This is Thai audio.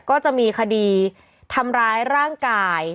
ก็จะมีคดีทำร้ายร่างกาย